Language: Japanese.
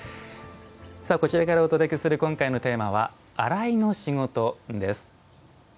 こちらからお届けする今回のテーマは「洗いの仕事」です。